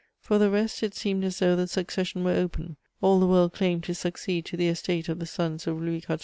For the rest, it seemed as though the succession were open; all the world claimed to succeed to the estate of the sons of Louis XIV.